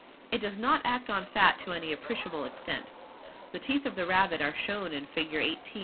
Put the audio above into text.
It does not act on fat to any appreciable extent. The teeth of the rabbit are shown in Figure XVIII.